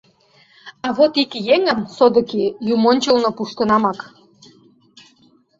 А вот ик еҥым, содыки, юмончылно пуштынамак.